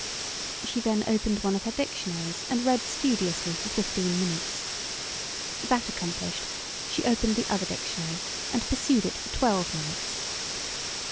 She then opened one of her dictionaries and read studiously for fifteen minutes. That accomplished, she opened the other dictionary and pursued it for twelve minutes.